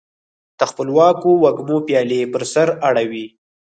د خپلواکو وږمو پیالي پر سر اړوي